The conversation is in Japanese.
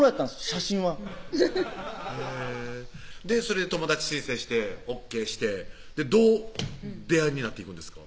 写真はへぇそれで友達申請してＯＫしてどう出会いになっていくんですか？